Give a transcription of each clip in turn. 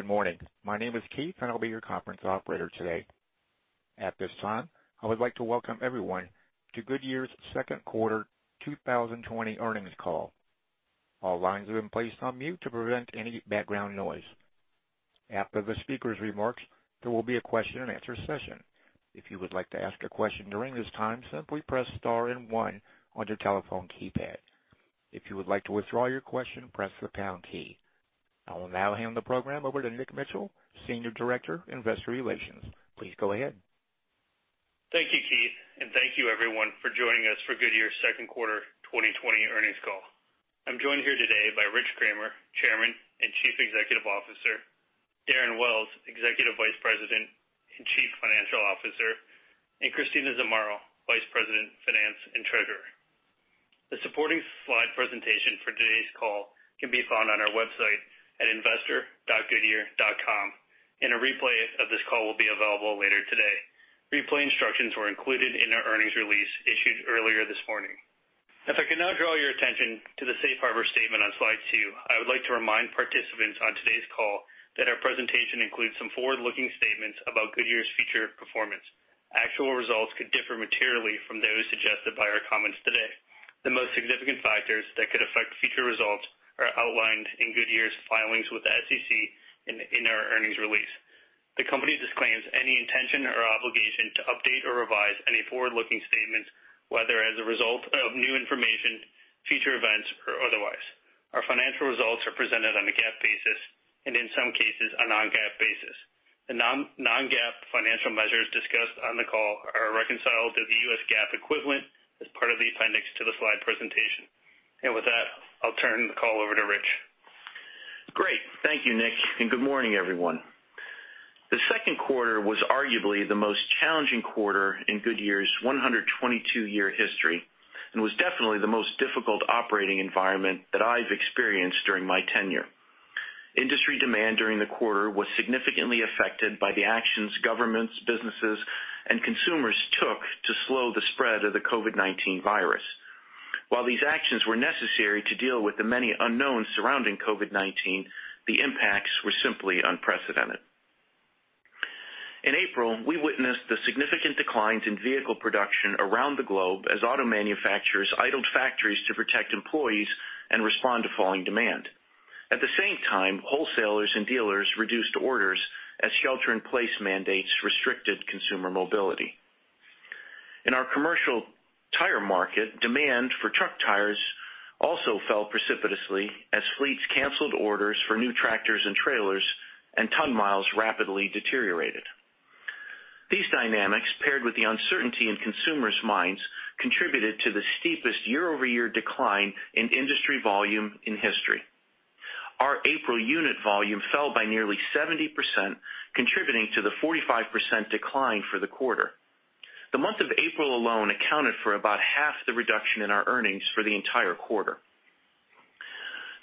Good morning. My name is Keith, and I'll be your conference operator today. At this time, I would like to welcome everyone to Goodyear's second quarter 2020 earnings call. All lines have been placed on mute to prevent any background noise. After the speaker's remarks, there will be a question-and-answer session. If you would like to ask a question during this time, simply press star and one on your telephone keypad. If you would like to withdraw your question, press the pound key. I will now hand the program over to Nick Mitchell, Senior Director, Investor Relations. Please go ahead. Thank you, Keith, and thank you, everyone, for joining us for Goodyear's second quarter 2020 earnings call. I'm joined here today by Rich Kramer, Chairman and Chief Executive Officer, Darren Wells, Executive Vice President and Chief Financial Officer, and Christina Zamarro, Vice President, Finance and Treasurer. The supporting slide presentation for today's call can be found on our website at investor.goodyear.com, and a replay of this call will be available later today. Replay instructions were included in our earnings release issued earlier this morning. If I can now draw your attention to the Safe Harbor statement on slide 2, I would like to remind participants on today's call that our presentation includes some forward-looking statements about Goodyear's future performance. Actual results could differ materially from those suggested by our comments today. The most significant factors that could affect future results are outlined in Goodyear's filings with the SEC in our earnings release. The company disclaims any intention or obligation to update or revise any forward-looking statements, whether as a result of new information, future events, or otherwise. Our financial results are presented on a GAAP basis and, in some cases, a non-GAAP basis. The non-GAAP financial measures discussed on the call are reconciled to the U.S. GAAP equivalent as part of the appendix to the slide presentation, and with that, I'll turn the call over to Rich. Great. Thank you, Nick, and good morning, everyone. The second quarter was arguably the most challenging quarter in Goodyear's 122-year history and was definitely the most difficult operating environment that I've experienced during my tenure. Industry demand during the quarter was significantly affected by the actions governments, businesses, and consumers took to slow the spread of the COVID-19 virus. While these actions were necessary to deal with the many unknowns surrounding COVID-19, the impacts were simply unprecedented. In April, we witnessed the significant declines in vehicle production around the globe as auto manufacturers idled factories to protect employees and respond to falling demand. At the same time, wholesalers and dealers reduced orders as shelter-in-place mandates restricted consumer mobility. In our commercial tire market, demand for truck tires also fell precipitously as fleets canceled orders for new tractors and trailers, and ton-miles rapidly deteriorated. These dynamics, paired with the uncertainty in consumers' minds, contributed to the steepest year-over-year decline in industry volume in history. Our April unit volume fell by nearly 70%, contributing to the 45% decline for the quarter. The month of April alone accounted for about half the reduction in our earnings for the entire quarter.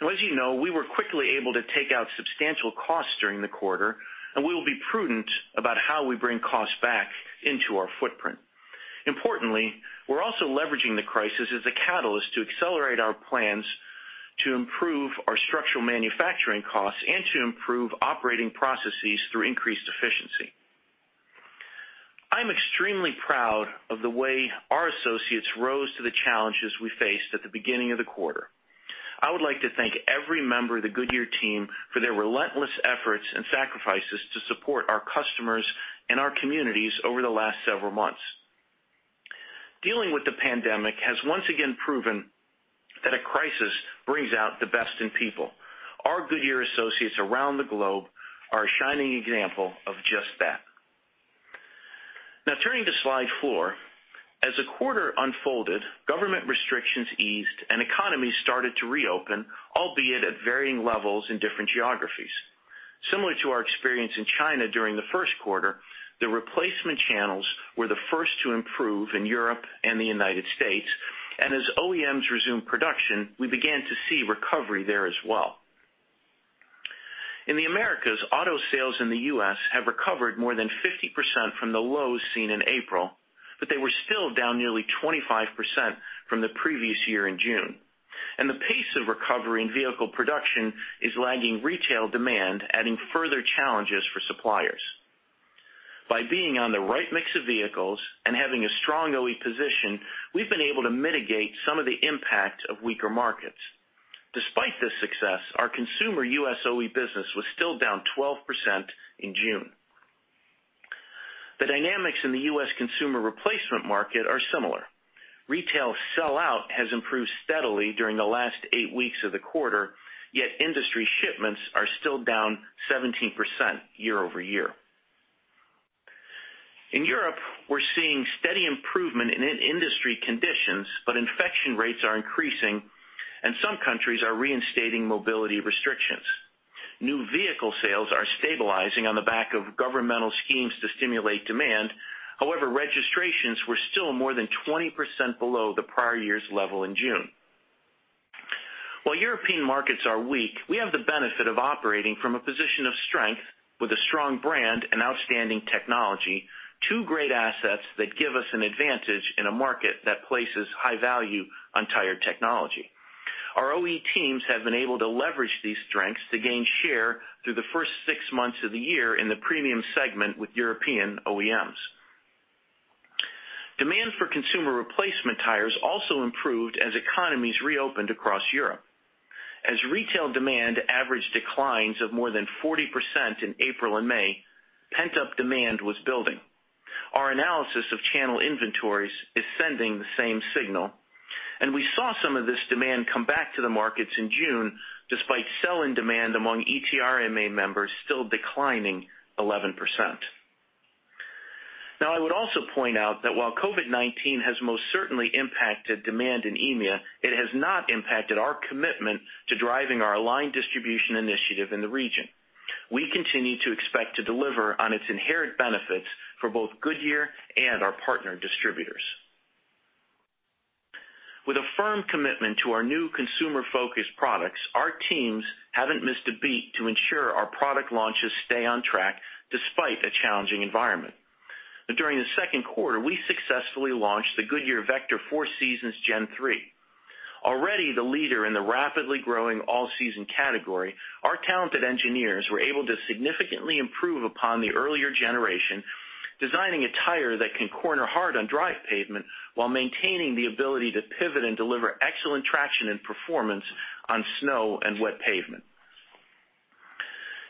As you know, we were quickly able to take out substantial costs during the quarter, and we will be prudent about how we bring costs back into our footprint. Importantly, we're also leveraging the crisis as a catalyst to accelerate our plans to improve our structural manufacturing costs and to improve operating processes through increased efficiency. I'm extremely proud of the way our associates rose to the challenges we faced at the beginning of the quarter. I would like to thank every member of the Goodyear team for their relentless efforts and sacrifices to support our customers and our communities over the last several months. Dealing with the pandemic has once again proven that a crisis brings out the best in people. Our Goodyear associates around the globe are a shining example of just that. Now, turning to slide 4, as the quarter unfolded, government restrictions eased, and economies started to reopen, albeit at varying levels in different geographies. Similar to our experience in China during the first quarter, the replacement channels were the first to improve in Europe and the United States, and as OEMs resumed production, we began to see recovery there as well. In the Americas, auto sales in the U.S. have recovered more than 50% from the lows seen in April, but they were still down nearly 25% from the previous year in June, and the pace of recovery in vehicle production is lagging retail demand, adding further challenges for suppliers. By being on the right mix of vehicles and having a strong OE position, we've been able to mitigate some of the impact of weaker markets. Despite this success, our consumer U.S. OE business was still down 12% in June. The dynamics in the U.S. consumer replacement market are similar. Retail sell-out has improved steadily during the last 8 weeks of the quarter, yet industry shipments are still down 17% year-over-year. In Europe, we're seeing steady improvement in industry conditions, but infection rates are increasing, and some countries are reinstating mobility restrictions. New vehicle sales are stabilizing on the back of governmental schemes to stimulate demand. However, registrations were still more than 20% below the prior year's level in June. While European markets are weak, we have the benefit of operating from a position of strength with a strong brand and outstanding technology, 2 great assets that give us an advantage in a market that places high value on tire technology. Our OE teams have been able to leverage these strengths to gain share through the first 6 months of the year in the premium segment with European OEMs. Demand for consumer replacement tires also improved as economies reopened across Europe. As retail demand averaged declines of more than 40% in April and May, pent-up demand was building. Our analysis of channel inventories is sending the same signal, and we saw some of this demand come back to the markets in June, despite sell-in demand among ETRMA members still declining 11%. Now, I would also point out that while COVID-19 has most certainly impacted demand in EMEA, it has not impacted our commitment to driving our aligned distribution initiative in the region. We continue to expect to deliver on its inherent benefits for both Goodyear and our partner distributors. With a firm commitment to our new consumer-focused products, our teams haven't missed a beat to ensure our product launches stay on track despite a challenging environment. During the second quarter, we successfully launched the Goodyear Vector 4Seasons Gen-3. Already the leader in the rapidly growing all-season category, our talented engineers were able to significantly improve upon the earlier generation, designing a tire that can corner hard on dry pavement while maintaining the ability to pivot and deliver excellent traction and performance on snow and wet pavement.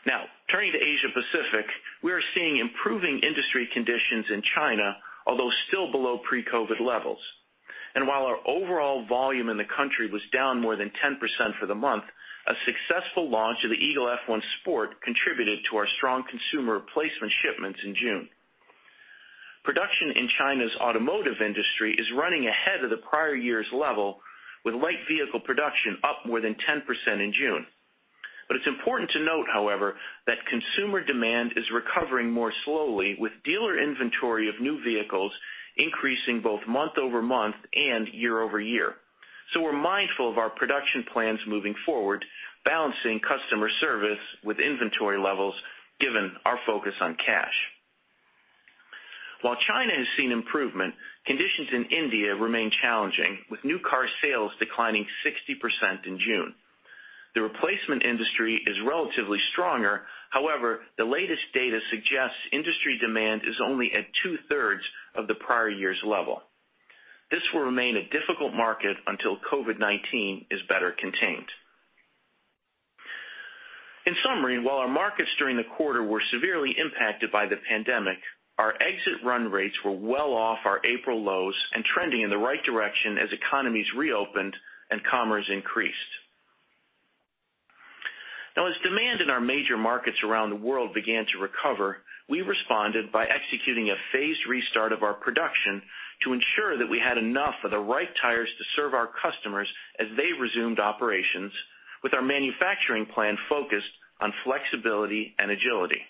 Now, turning to Asia-Pacific, we are seeing improving industry conditions in China, although still below pre-COVID levels, and while our overall volume in the country was down more than 10% for the month, a successful launch of the Eagle F1 Sport contributed to our strong consumer replacement shipments in June. Production in China's automotive industry is running ahead of the prior year's level, with light vehicle production up more than 10% in June, but it's important to note, however, that consumer demand is recovering more slowly, with dealer inventory of new vehicles increasing both month-over-month and year-over-year. So we're mindful of our production plans moving forward, balancing customer service with inventory levels given our focus on cash. While China has seen improvement, conditions in India remain challenging, with new car sales declining 60% in June. The replacement industry is relatively stronger. However, the latest data suggests industry demand is only at two-thirds of the prior year's level. This will remain a difficult market until COVID-19 is better contained. In summary, while our markets during the quarter were severely impacted by the pandemic, our exit run rates were well off our April lows and trending in the right direction as economies reopened and commerce increased. Now, as demand in our major markets around the world began to recover, we responded by executing a phased restart of our production to ensure that we had enough of the right tires to serve our customers as they resumed operations, with our manufacturing plan focused on flexibility and agility.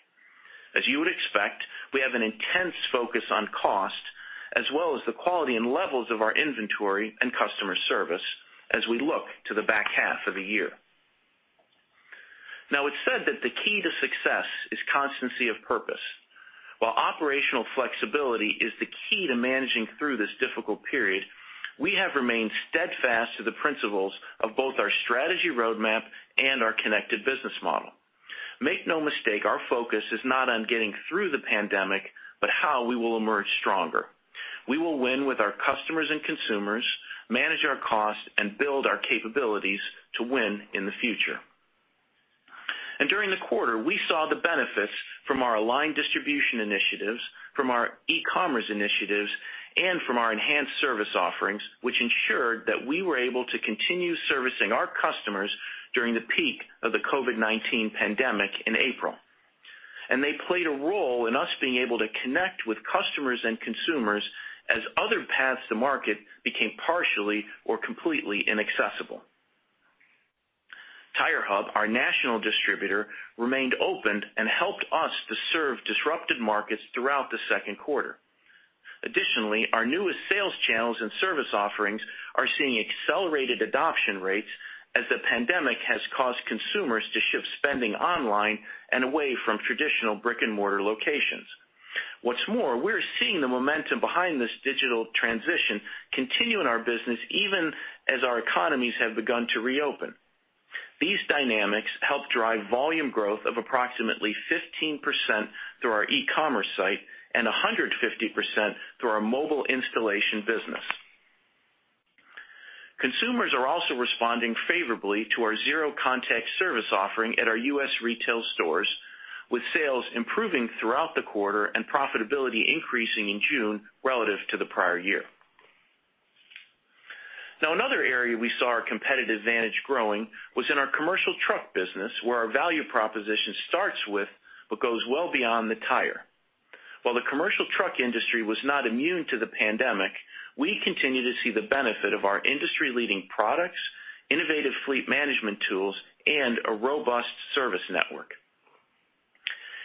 As you would expect, we have an intense focus on cost as well as the quality and levels of our inventory and customer service as we look to the back half of the year. Now, it's said that the key to success is constancy of purpose. While operational flexibility is the key to managing through this difficult period, we have remained steadfast to the principles of both our strategy roadmap and our connected business model. Make no mistake, our focus is not on getting through the pandemic, but how we will emerge stronger. We will win with our customers and consumers, manage our costs, and build our capabilities to win in the future. During the quarter, we saw the benefits from our aligned distribution initiatives, from our e-commerce initiatives, and from our enhanced service offerings, which ensured that we were able to continue servicing our customers during the peak of the COVID-19 pandemic in April. They played a role in us being able to connect with customers and consumers as other paths to market became partially or completely inaccessible. TireHub, our national distributor, remained open and helped us to serve disrupted markets throughout the second quarter. Additionally, our newest sales channels and service offerings are seeing accelerated adoption rates as the pandemic has caused consumers to shift spending online and away from traditional brick-and-mortar locations. What's more, we're seeing the momentum behind this digital transition continue in our business even as our economies have begun to reopen. These dynamics help drive volume growth of approximately 15% through our e-commerce site and 150% through our mobile installation business. Consumers are also responding favorably to our Zero Contact service offering at our U.S. retail stores, with sales improving throughout the quarter and profitability increasing in June relative to the prior year. Now, another area we saw our competitive advantage growing was in our commercial truck business, where our value proposition starts with but goes well beyond the tire. While the commercial truck industry was not immune to the pandemic, we continue to see the benefit of our industry-leading products, innovative fleet management tools, and a robust service network.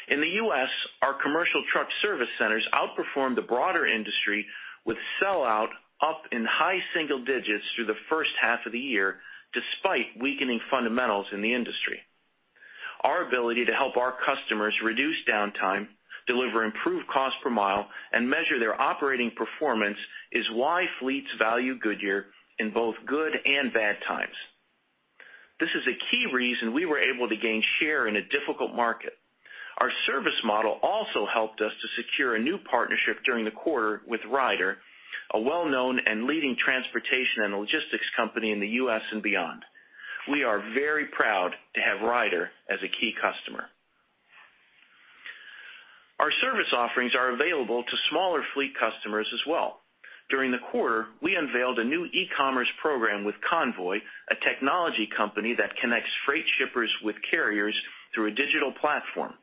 In the U.S., our commercial truck service centers outperformed the broader industry with sell-out up in high single digits through the first half of the year despite weakening fundamentals in the industry. Our ability to help our customers reduce downtime, deliver improved cost per mile, and measure their operating performance is why fleets value Goodyear in both good and bad times. This is a key reason we were able to gain share in a difficult market. Our service model also helped us to secure a new partnership during the quarter with Ryder, a well-known and leading transportation and logistics company in the U.S. and beyond. We are very proud to have Ryder as a key customer. Our service offerings are available to smaller fleet customers as well. During the quarter, we unveiled a new e-commerce program with Convoy, a technology company that connects freight shippers with carriers through a digital platform.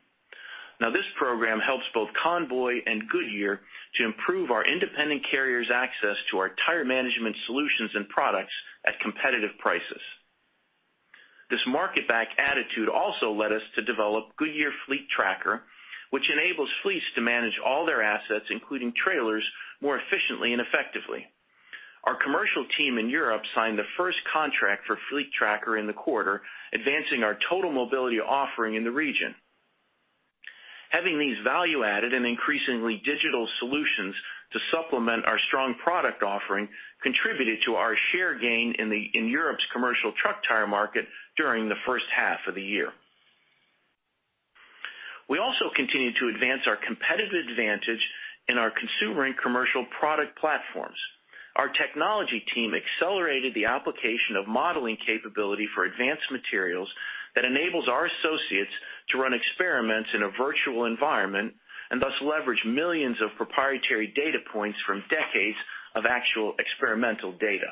Now, this program helps both Convoy and Goodyear to improve our independent carriers' access to our tire management solutions and products at competitive prices. This market-back attitude also led us to develop Goodyear Fleet Tracker, which enables fleets to manage all their assets, including trailers, more efficiently and effectively. Our commercial team in Europe signed the first contract for Fleet Tracker in the quarter, advancing our total mobility offering in the region. Having these value-added and increasingly digital solutions to supplement our strong product offering contributed to our share gain in Europe's commercial truck tire market during the first half of the year. We also continue to advance our competitive advantage in our consumer and commercial product platforms. Our technology team accelerated the application of modeling capability for advanced materials that enables our associates to run experiments in a virtual environment and thus leverage millions of proprietary data points from decades of actual experimental data.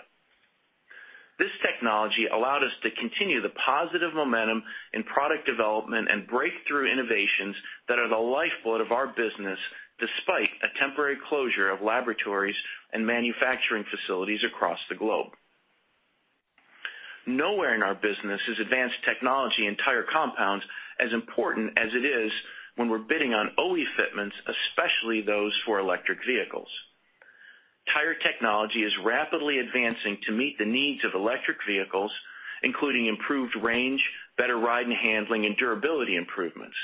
This technology allowed us to continue the positive momentum in product development and breakthrough innovations that are the lifeblood of our business despite a temporary closure of laboratories and manufacturing facilities across the globe. Nowhere in our business is advanced technology and tire compounds as important as it is when we're bidding on OE fitments, especially those for electric vehicles. Tire technology is rapidly advancing to meet the needs of electric vehicles, including improved range, better ride and handling, and durability improvements.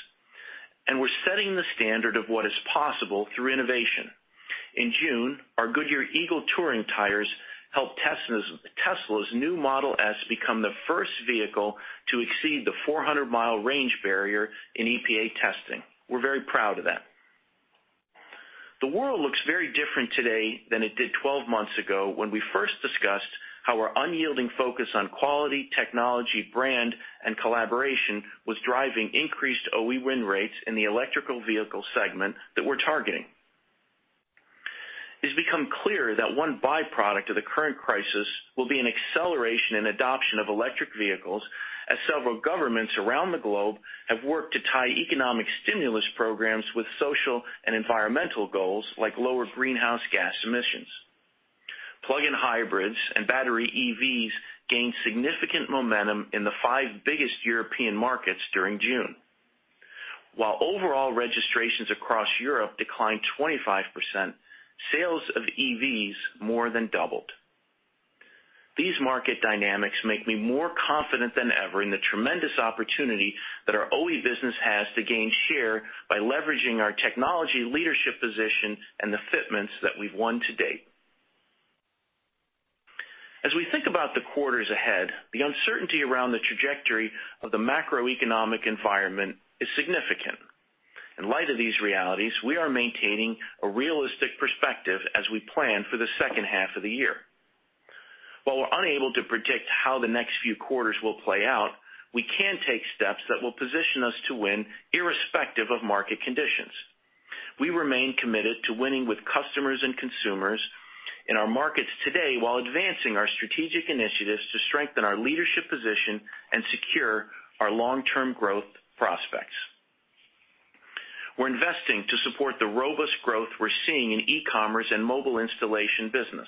And we're setting the standard of what is possible through innovation. In June, our Goodyear Eagle Touring tires helped Tesla's new Model S become the first vehicle to exceed the 400-mile range barrier in EPA testing. We're very proud of that. The world looks very different today than it did 12 months ago when we first discussed how our unyielding focus on quality, technology, brand, and collaboration was driving increased OE win rates in the electric vehicle segment that we're targeting. It's become clear that one byproduct of the current crisis will be an acceleration in adoption of electric vehicles as several governments around the globe have worked to tie economic stimulus programs with social and environmental goals like lower greenhouse gas emissions. Plug-in hybrids and battery EVs gained significant momentum in the 5 biggest European markets during June. While overall registrations across Europe declined 25%, sales of EVs more than doubled. These market dynamics make me more confident than ever in the tremendous opportunity that our OE business has to gain share by leveraging our technology leadership position and the fitments that we've won to date. As we think about the quarters ahead, the uncertainty around the trajectory of the macroeconomic environment is significant. In light of these realities, we are maintaining a realistic perspective as we plan for the second half of the year. While we're unable to predict how the next few quarters will play out, we can take steps that will position us to win irrespective of market conditions. We remain committed to winning with customers and consumers in our markets today while advancing our strategic initiatives to strengthen our leadership position and secure our long-term growth prospects. We're investing to support the robust growth we're seeing in e-commerce and mobile installation business.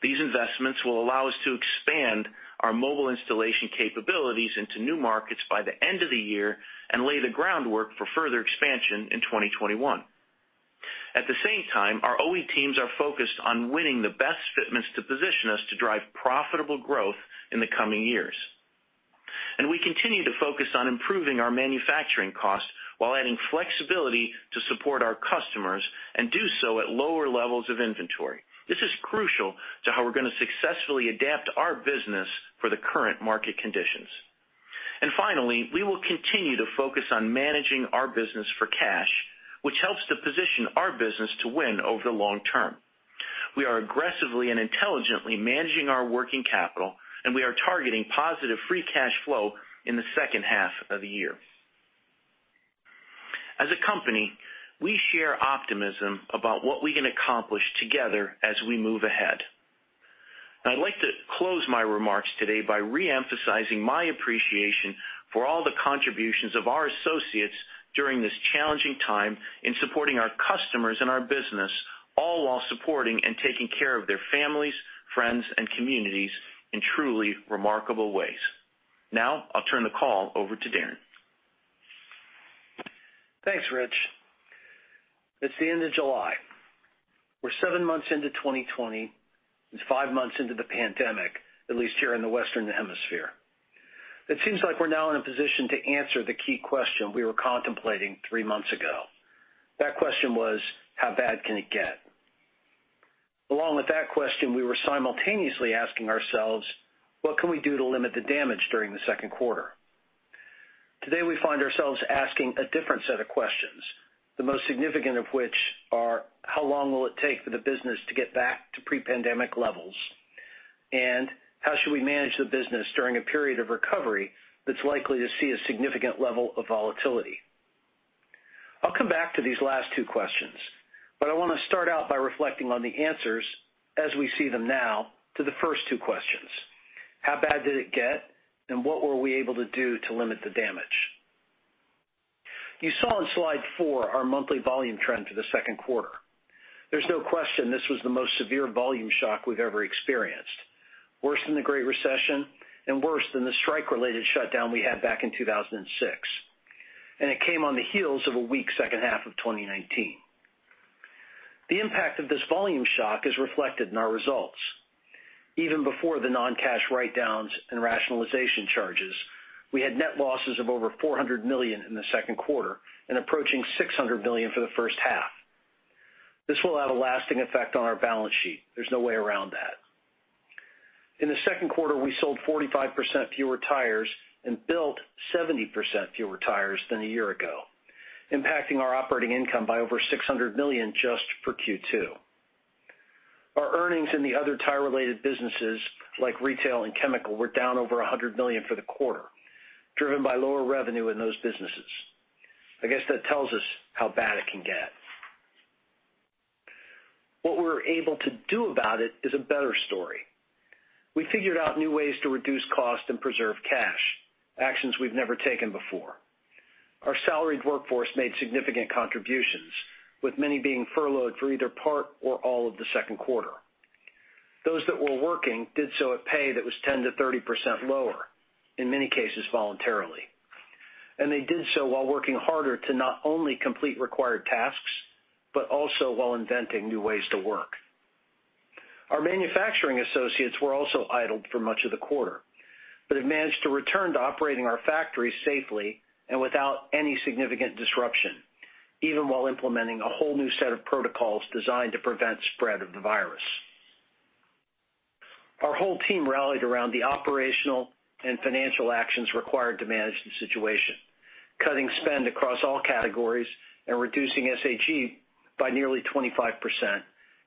These investments will allow us to expand our mobile installation capabilities into new markets by the end of the year and lay the groundwork for further expansion in 2021. At the same time, our OE teams are focused on winning the best fitments to position us to drive profitable growth in the coming years, and we continue to focus on improving our manufacturing costs while adding flexibility to support our customers and do so at lower levels of inventory. This is crucial to how we're going to successfully adapt our business for the current market conditions, and finally, we will continue to focus on managing our business for cash, which helps to position our business to win over the long term. We are aggressively and intelligently managing our working capital, and we are targeting positive free cash flow in the second half of the year. As a company, we share optimism about what we can accomplish together as we move ahead. I'd like to close my remarks today by re-emphasizing my appreciation for all the contributions of our associates during this challenging time in supporting our customers and our business, all while supporting and taking care of their families, friends, and communities in truly remarkable ways. Now, I'll turn the call over to Darren. Thanks, Rich. It's the end of July. We're 7 months into 2020 and 5 months into the pandemic, at least here in the Western Hemisphere. It seems like we're now in a position to answer the key question we were contemplating 3 months ago. That question was, how bad can it get? Along with that question, we were simultaneously asking ourselves, what can we do to limit the damage during the second quarter? Today, we find ourselves asking a different set of questions, the most significant of which are, how long will it take for the business to get back to pre-pandemic levels? And how should we manage the business during a period of recovery that's likely to see a significant level of volatility? I'll come back to these last 2 questions, but I want to start out by reflecting on the answers as we see them now to the first 2 questions. How bad did it get, and what were we able to do to limit the damage? You saw on slide 4 our monthly volume trend for the second quarter. There's no question this was the most severe volume shock we've ever experienced, worse than the Great Recession and worse than the strike-related shutdown we had back in 2006. It came on the heels of a weak second half of 2019. The impact of this volume shock is reflected in our results. Even before the non-cash write-downs and rationalization charges, we had net losses of over $400 million in the second quarter and approaching $600 million for the first half. This will have a lasting effect on our balance sheet. There's no way around that. In the second quarter, we sold 45% fewer tires and built 70% fewer tires than a year ago, impacting our operating income by over $600 million just for Q2. Our earnings in the other tire-related businesses, like retail and chemical, were down over $100 million for the quarter, driven by lower revenue in those businesses. I guess that tells us how bad it can get. What we're able to do about it is a better story. We figured out new ways to reduce cost and preserve cash, actions we've never taken before. Our salaried workforce made significant contributions, with many being furloughed for either part or all of the second quarter. Those that were working did so at pay that was 10%-30% lower, in many cases voluntarily, and they did so while working harder to not only complete required tasks but also while inventing new ways to work. Our manufacturing associates were also idled for much of the quarter, but have managed to return to operating our factories safely and without any significant disruption, even while implementing a whole new set of protocols designed to prevent spread of the virus. Our whole team rallied around the operational and financial actions required to manage the situation, cutting spend across all categories and reducing SAG by nearly 25%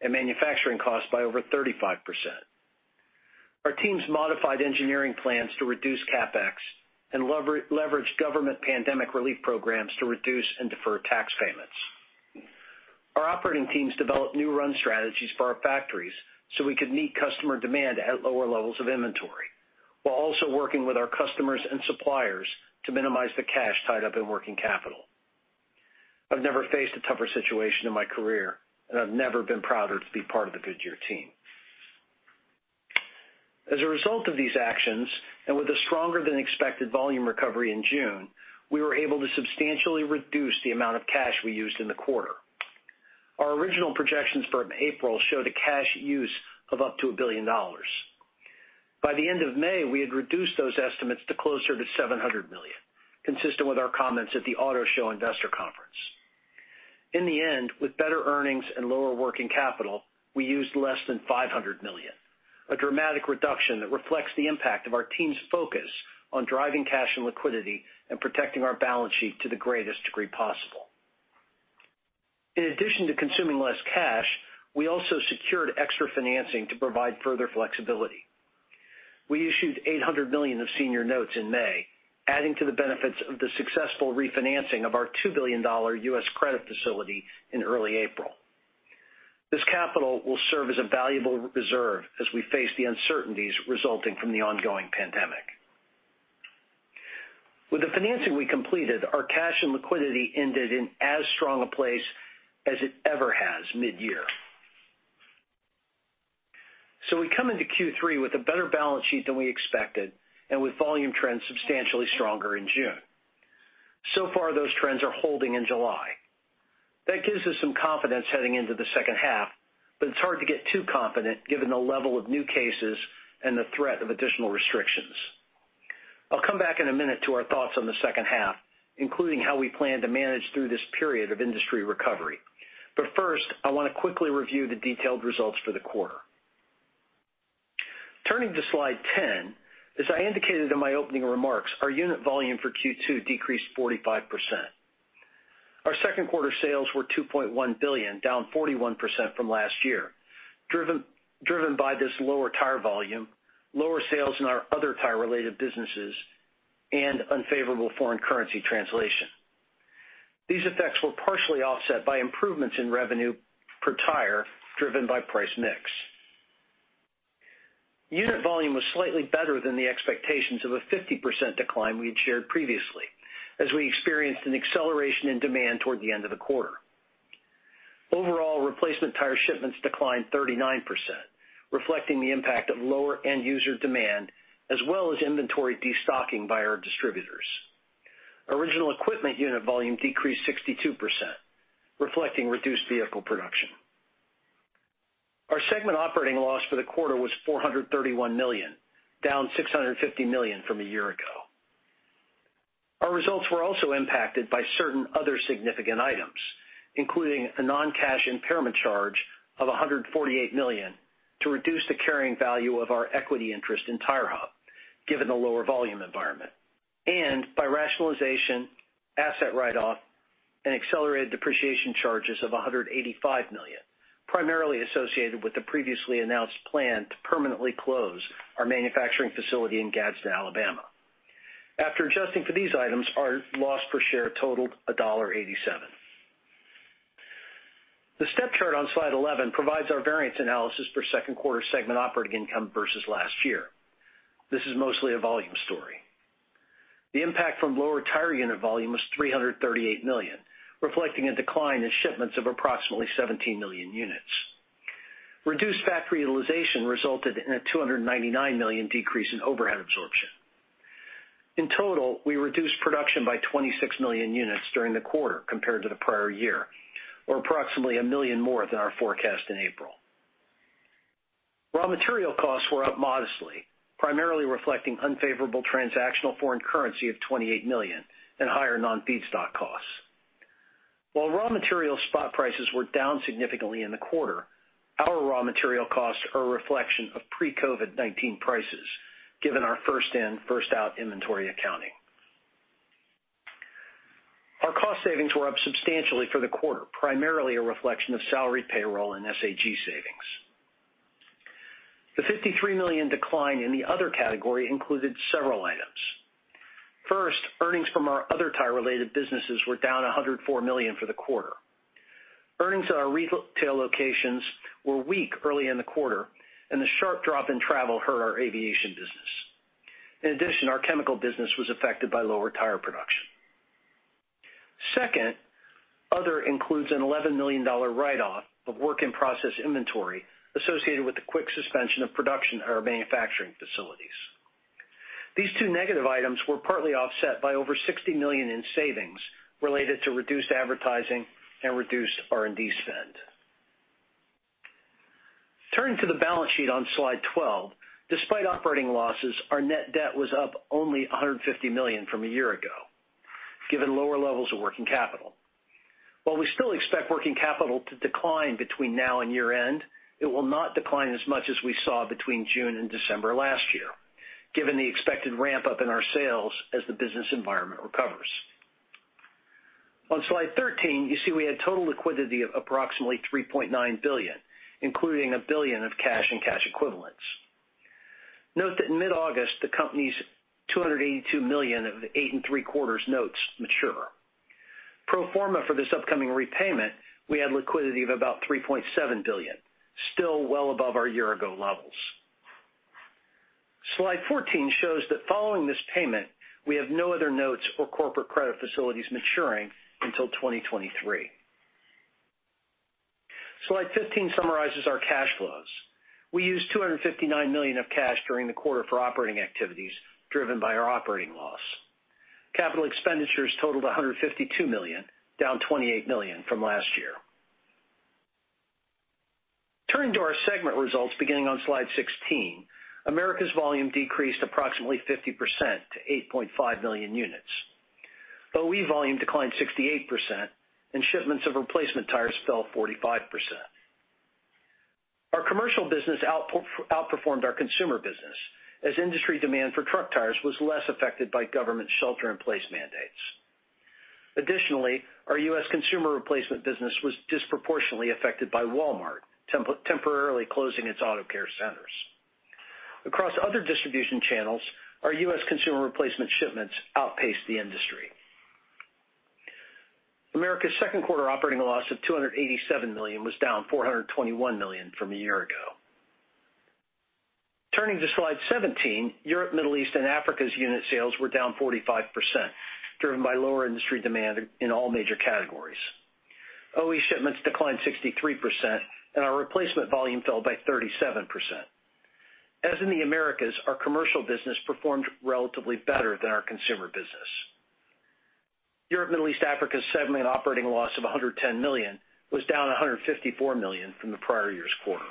and manufacturing costs by over 35%. Our teams modified engineering plans to reduce CapEx and leveraged government pandemic relief programs to reduce and defer tax payments. Our operating teams developed new run strategies for our factories so we could meet customer demand at lower levels of inventory, while also working with our customers and suppliers to minimize the cash tied up in working capital. I've never faced a tougher situation in my career, and I've never been prouder to be part of the Goodyear team. As a result of these actions and with a stronger-than-expected volume recovery in June, we were able to substantially reduce the amount of cash we used in the quarter. Our original projections for April showed a cash use of up to $1 billion. By the end of May, we had reduced those estimates to closer to $700 million, consistent with our comments at the Auto Show Investor Conference. In the end, with better earnings and lower working capital, we used less than $500 million, a dramatic reduction that reflects the impact of our team's focus on driving cash and liquidity and protecting our balance sheet to the greatest degree possible. In addition to consuming less cash, we also secured extra financing to provide further flexibility. We issued $800 million of senior notes in May, adding to the benefits of the successful refinancing of our $2 billion U.S. credit facility in early April. This capital will serve as a valuable reserve as we face the uncertainties resulting from the ongoing pandemic. With the financing we completed, our cash and liquidity ended in as strong a place as it ever has mid-year. So we come into Q3 with a better balance sheet than we expected and with volume trends substantially stronger in June. So far, those trends are holding in July. That gives us some confidence heading into the second half, but it's hard to get too confident given the level of new cases and the threat of additional restrictions. I'll come back in a minute to our thoughts on the second half, including how we plan to manage through this period of industry recovery. But first, I want to quickly review the detailed results for the quarter. Turning to slide 10, as I indicated in my opening remarks, our unit volume for Q2 decreased 45%. Our second quarter sales were $2.1 billion, down 41% from last year, driven by this lower tire volume, lower sales in our other tire-related businesses, and unfavorable foreign currency translation. These effects were partially offset by improvements in revenue per tire, driven by price mix. Unit volume was slightly better than the expectations of a 50% decline we had shared previously, as we experienced an acceleration in demand toward the end of the quarter. Overall, replacement tire shipments declined 39%, reflecting the impact of lower end-user demand as well as inventory destocking by our distributors. Original equipment unit volume decreased 62%, reflecting reduced vehicle production. Our segment operating loss for the quarter was $431 million, down $650 million from a year ago. Our results were also impacted by certain other significant items, including a non-cash impairment charge of $148 million to reduce the carrying value of our equity interest in TireHub, given the lower volume environment, and by rationalization, asset write-off, and accelerated depreciation charges of $185 million, primarily associated with the previously announced plan to permanently close our manufacturing facility in Gadsden, Alabama. After adjusting for these items, our loss per share totaled $1.87. The step chart on slide 11 provides our variance analysis for second quarter segment operating income versus last year. This is mostly a volume story. The impact from lower tire unit volume was $338 million, reflecting a decline in shipments of approximately 17 million units. Reduced factory utilization resulted in a $299 million decrease in overhead absorption. In total, we reduced production by 26 million units during the quarter compared to the prior year, or approximately a million more than our forecast in April. Raw material costs were up modestly, primarily reflecting unfavorable transactional foreign currency of $28 million and higher non-feedstock costs. While raw material spot prices were down significantly in the quarter, our raw material costs are a reflection of pre-COVID-19 prices, given our first-in, first-out inventory accounting. Our cost savings were up substantially for the quarter, primarily a reflection of salary payroll and SAG savings. The $53 million decline in the other category included several items. First, earnings from our other tire-related businesses were down $104 million for the quarter. Earnings at our retail locations were weak early in the quarter, and the sharp drop in travel hurt our aviation business. In addition, our chemical business was affected by lower tire production. Second, other includes an $11 million write-off of work in process inventory associated with the quick suspension of production at our manufacturing facilities. These 2 negative items were partly offset by over $60 million in savings related to reduced advertising and reduced R&D spend. Turning to the balance sheet on slide 12, despite operating losses, our net debt was up only $150 million from a year ago, given lower levels of working capital. While we still expect working capital to decline between now and year-end, it will not decline as much as we saw between June and December last year, given the expected ramp-up in our sales as the business environment recovers. On slide 13, you see we had total liquidity of approximately $3.9 billion, including $1 billion of cash and cash equivalents. Note that in mid-August, the company's $282 million of 8 and 3 quarters notes mature. Pro forma for this upcoming repayment, we had liquidity of about $3.7 billion, still well above our year-ago levels. Slide 14 shows that following this payment, we have no other notes or corporate credit facilities maturing until 2023. Slide 15 summarizes our cash flows. We used $259 million of cash during the quarter for operating activities, driven by our operating loss. Capital expenditures totaled $152 million, down $28 million from last year. Turning to our segment results beginning on slide 16, Americas volume decreased approximately 50% to 8.5 million units. OE volume declined 68%, and shipments of replacement tires fell 45%. Our commercial business outperformed our consumer business, as industry demand for truck tires was less affected by government shelter-in-place mandates. Additionally, our U.S. consumer replacement business was disproportionately affected by Walmart temporarily closing its Auto Care Centers. Across other distribution channels, our U.S. consumer replacement shipments outpaced the industry. Americas second quarter operating loss of $287 million was down $421 million from a year ago. Turning to slide 17, Europe, Middle East, and Africa’s unit sales were down 45%, driven by lower industry demand in all major categories. OE shipments declined 63%, and our replacement volume fell by 37%. As in the Americas, our commercial business performed relatively better than our consumer business. Europe, Middle East, and Africa's segment operating loss of $110 million was down $154 million from the prior year's quarter.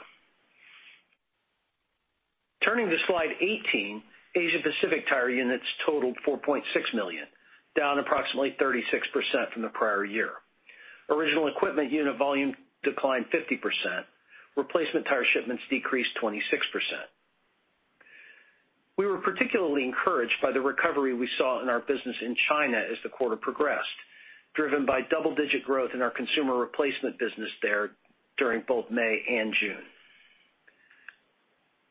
Turning to slide 18, Asia-Pacific tire units totaled 4.6 million, down approximately 36% from the prior year. Original equipment unit volume declined 50%. Replacement tire shipments decreased 26%. We were particularly encouraged by the recovery we saw in our business in China as the quarter progressed, driven by double-digit growth in our consumer replacement business there during both May and June.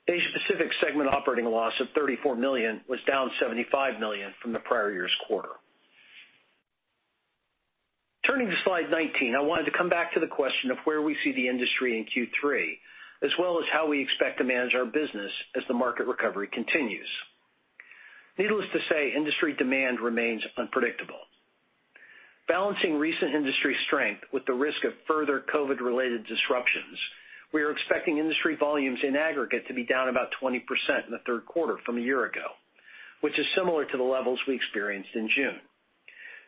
Asia-Pacific segment operating loss of $34 million was down $75 million from the prior year's quarter. Turning to slide 19, I wanted to come back to the question of where we see the industry in Q3, as well as how we expect to manage our business as the market recovery continues. Needless to say, industry demand remains unpredictable. Balancing recent industry strength with the risk of further COVID-related disruptions, we are expecting industry volumes in aggregate to be down about 20% in the third quarter from a year ago, which is similar to the levels we experienced in June.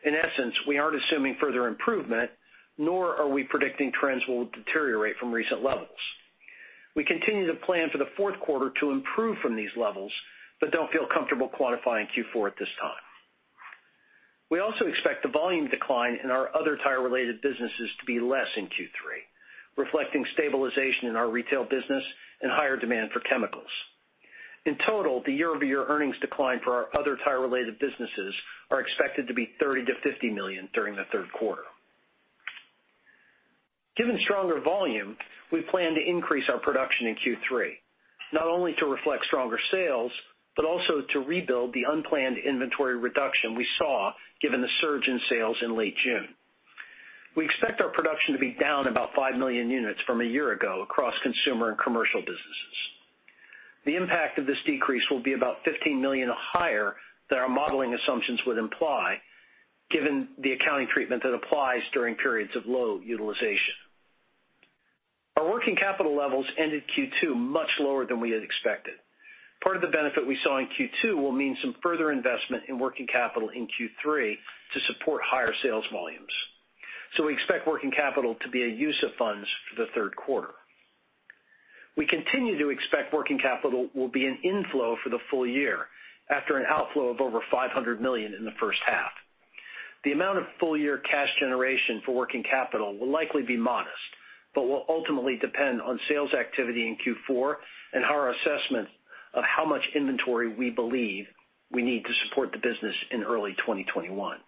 In essence, we aren't assuming further improvement, nor are we predicting trends will deteriorate from recent levels. We continue to plan for the fourth quarter to improve from these levels, but don't feel comfortable quantifying Q4 at this time. We also expect the volume decline in our other tire-related businesses to be less in Q3, reflecting stabilization in our retail business and higher demand for chemicals. In total, the year-over-year earnings decline for our other tire-related businesses is expected to be $30 million-$50 million during the third quarter. Given stronger volume, we plan to increase our production in Q3, not only to reflect stronger sales, but also to rebuild the unplanned inventory reduction we saw given the surge in sales in late June. We expect our production to be down about 5 million units from a year ago across consumer and commercial businesses. The impact of this decrease will be about 15 million higher than our modeling assumptions would imply, given the accounting treatment that applies during periods of low utilization. Our working capital levels ended Q2 much lower than we had expected. Part of the benefit we saw in Q2 will mean some further investment in working capital in Q3 to support higher sales volumes. So we expect working capital to be a use of funds for the third quarter. We continue to expect working capital will be an inflow for the full year after an outflow of over $500 million in the first half. The amount of full-year cash generation for working capital will likely be modest, but will ultimately depend on sales activity in Q4 and our assessment of how much inventory we believe we need to support the business in early 2021.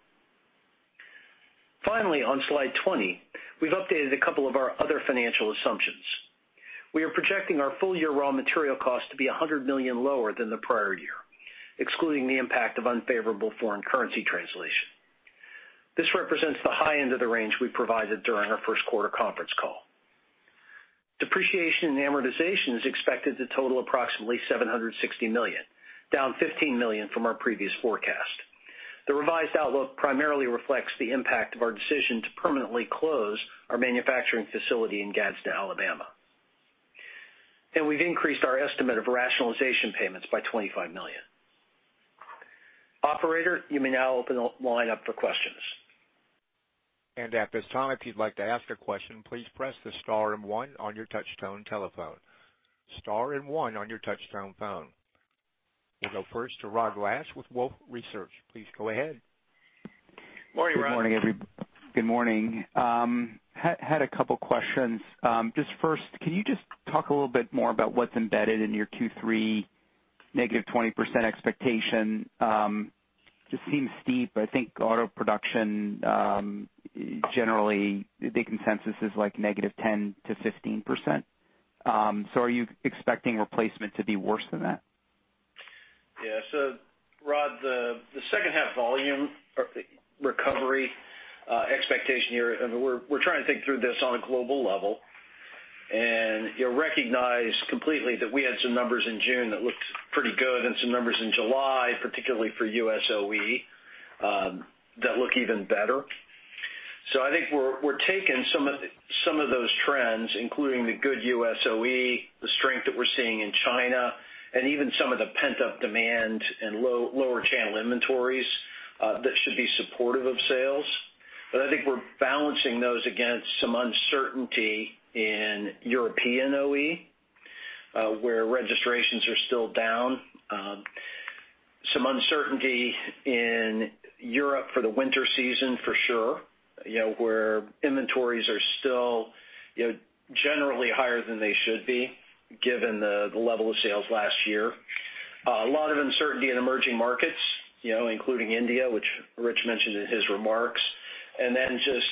Finally, on slide 20, we've updated a couple of our other financial assumptions. We are projecting our full-year raw material cost to be $100 million lower than the prior year, excluding the impact of unfavorable foreign currency translation. This represents the high end of the range we provided during our first quarter conference call. Depreciation and amortization is expected to total approximately $760 million, down $15 million from our previous forecast. The revised outlook primarily reflects the impact of our decision to permanently close our manufacturing facility in Gadsden, Alabama, and we've increased our estimate of rationalization payments by $25 million. Operator, you may now open the line up for questions. At this time, if you'd like to ask a question, please press the star and one on your touch-tone telephone. Star and one on your touch-tone phone. We'll go first to Rod Lache with Wolfe Research. Please go ahead. Good morning, Rod. Good morning. Had a couple of questions. Just first, can you just talk a little bit more about what's embedded in your Q3 negative 20% expectation? It just seems steep. I think auto production generally, the consensus is like negative 10% to 15%. So are you expecting replacement to be worse than that? Yeah, so Rod, the second-half volume recovery expectation here, we're trying to think through this on a global level, and you'll recognize completely that we had some numbers in June that looked pretty good and some numbers in July, particularly for U.S. OE, that look even better, so I think we're taking some of those trends, including the good U.S. OE, the strength that we're seeing in China, and even some of the pent-up demand and lower channel inventories that should be supportive of sales, but I think we're balancing those against some uncertainty in European OE, where registrations are still down. Some uncertainty in Europe for the winter season, for sure, where inventories are still generally higher than they should be, given the level of sales last year. A lot of uncertainty in emerging markets, including India, which Rich mentioned in his remarks. And then just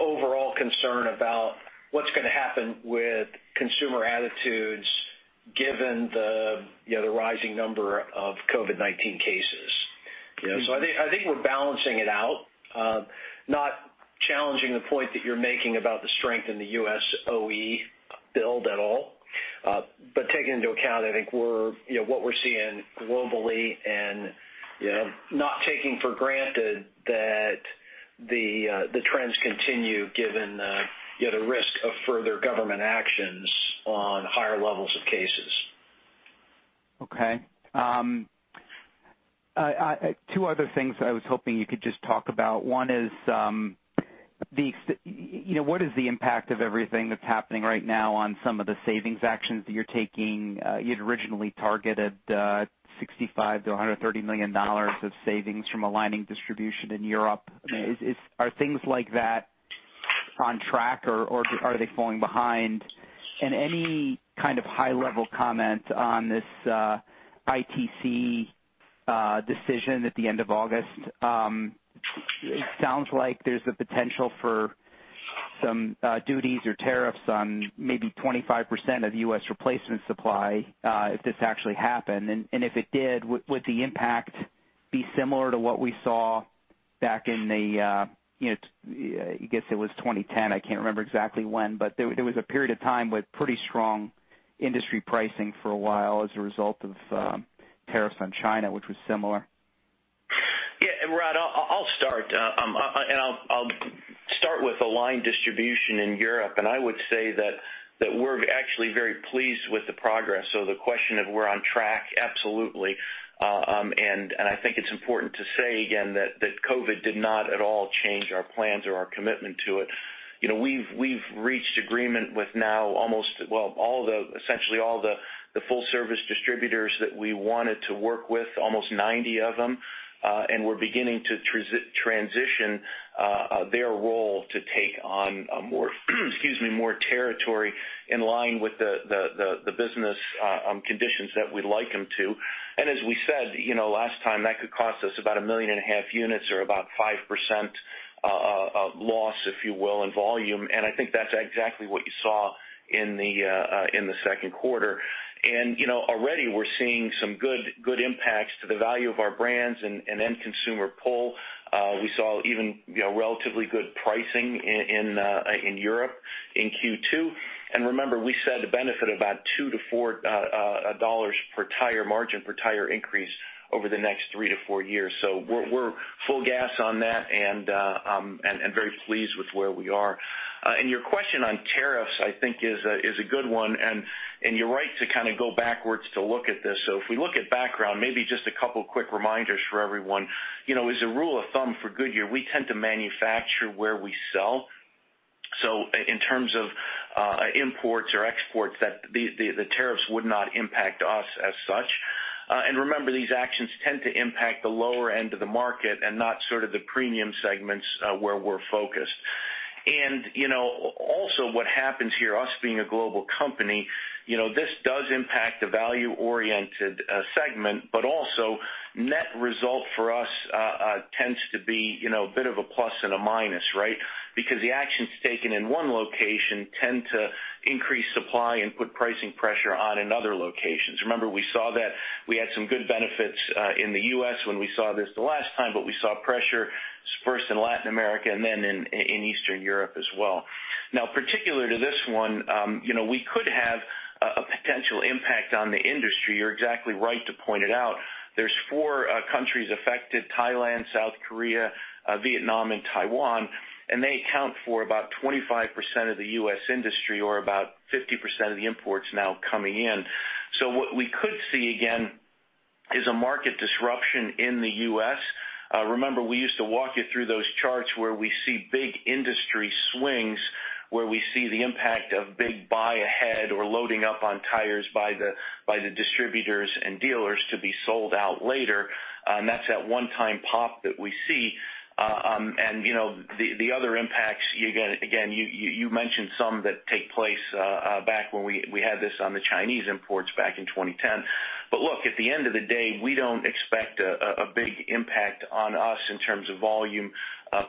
overall concern about what's going to happen with consumer attitudes, given the rising number of COVID-19 cases. So I think we're balancing it out, not challenging the point that you're making about the strength in the U.S. OE build at all, but taking into account, I think, what we're seeing globally and not taking for granted that the trends continue, given the risk of further government actions on higher levels of cases. Okay. Two other things I was hoping you could just talk about. One is, what is the impact of everything that's happening right now on some of the savings actions that you're taking? You'd originally targeted $65-$130 million of savings from aligning distribution in Europe. Are things like that on track, or are they falling behind? And any kind of high-level comment on this ITC decision at the end of August? It sounds like there's the potential for some duties or tariffs on maybe 25% of U.S. replacement supply if this actually happened. And if it did, would the impact be similar to what we saw back in the, I guess it was 2010, I can't remember exactly when, but there was a period of time with pretty strong industry pricing for a while as a result of tariffs on China, which was similar. Yeah. Rod, I'll start. I'll start with aligned distribution in Europe. I would say that we're actually very pleased with the progress. The question of we're on track, absolutely. I think it's important to say again that COVID did not at all change our plans or our commitment to it. We've reached agreement with now almost, well, essentially all the full-service distributors that we wanted to work with, almost 90 of them. We're beginning to transition their role to take on more, excuse me, more territory in line with the business conditions that we'd like them to. As we said last time, that could cost us about 1.5 million units or about 5% loss, if you will, in volume. I think that's exactly what you saw in the second quarter. Already we're seeing some good impacts to the value of our brands and end consumer pull. We saw even relatively good pricing in Europe in Q2. Remember, we said the benefit of about $2-$4 per tire margin per tire increase over the next 3 to 4 years. We're full gas on that and very pleased with where we are. Your question on tariffs, I think, is a good one. You're right to kind of go backwards to look at this. If we look at background, maybe just a couple of quick reminders for everyone. As a rule of thumb for Goodyear, we tend to manufacture where we sell. In terms of imports or exports, the tariffs would not impact us as such. Remember, these actions tend to impact the lower end of the market and not sort of the premium segments where we're focused. Also what happens here, us being a global company, this does impact the value-oriented segment, but also net result for us tends to be a bit of a plus and a minus, right? Because the actions taken in 1 location tend to increase supply and put pricing pressure on in other locations. Remember, we saw that we had some good benefits in the U.S. when we saw this the last time, but we saw pressure first in Latin America and then in Eastern Europe as well. Now, particular to this one, we could have a potential impact on the industry. You're exactly right to point it out. There are 4 countries affected: Thailand, South Korea, Vietnam, and Taiwan. And they account for about 25% of the U.S. industry or about 50% of the imports now coming in. So what we could see again is a market disruption in the U.S. Remember, we used to walk you through those charts where we see big industry swings, where we see the impact of big buy ahead or loading up on tires by the distributors and dealers to be sold out later. And that's that one-time pop that we see. And the other impacts, again, you mentioned some that take place back when we had this on the Chinese imports back in 2010. But look, at the end of the day, we don't expect a big impact on us in terms of volume,